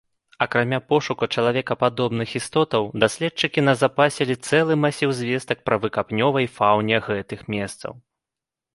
Акрамя пошуку чалавекападобных істотаў, даследчыкі назапасілі цэлы масіў звестак пра выкапнёвай фауне гэтых месцаў.